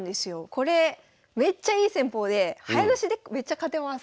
これめっちゃいい戦法で早指しでめっちゃ勝てます。